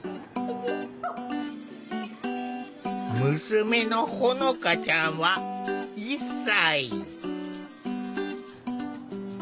娘のほのかちゃんは１歳。